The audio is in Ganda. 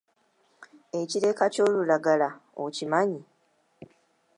Ekireka ky'olulagala okimanyi?